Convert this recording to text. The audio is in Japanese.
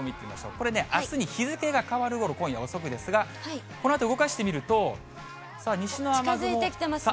これね、あすに日付が変わるころ、今夜遅くですが、このあと動かしてみると、さあ、西の雨近づいてきていますね。